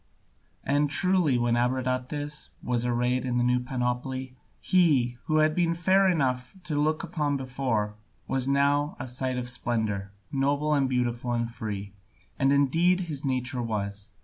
And truly, when Abradatas was arrayed in the new panoply, he, who had been fair enough to look upon before, was now a sight of splendour, noble and beautiful and free, as indeed his nature was.